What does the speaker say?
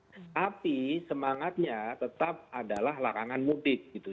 tapi semangatnya tetap adalah larangan mudik gitu